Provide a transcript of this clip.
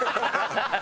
ハハハハ！